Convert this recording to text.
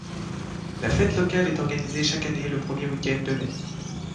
La fête locale est organisé chaque année le premier week-end de mai.